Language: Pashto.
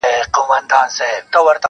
هره ورځ به د رمی په ځان بلا وي -